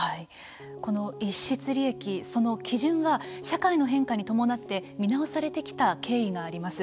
この逸失利益、その基準は社会の変化に伴って見直されてきた経緯があります。